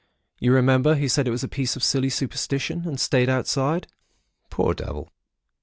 You remember, he said it was a piece of silly superstition, and stayed outside. Poor devil!